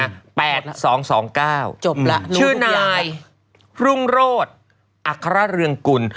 จบละรู้ทุกอย่างชื่อนายรุ่งโรศอัครเรืองกุล